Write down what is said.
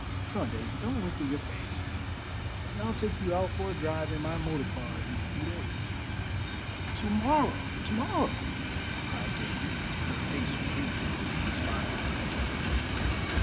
"Come, Daisy, don't wrinkle your face, and I'll take you out for a drive in my motor car in a few days." "To morrow! to morrow!" cried Daisy, her face wreathed in smiles.